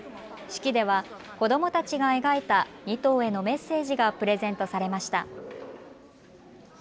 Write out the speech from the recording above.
式では子どもたちが描いた２頭へのメッセージがプレゼントされました。